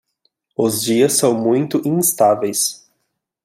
Os dias são muito instáveis